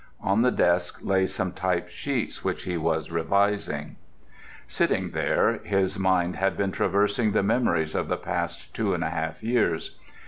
On the desk lay some typed sheets which he was revising. Sitting there, his mind had been traversing the memories of the past two and a half years.